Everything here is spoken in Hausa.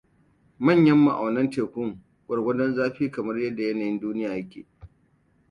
Manyan ma'aunan tekun gwargwadon zafi kamar yadda yanayin duniya ya ke.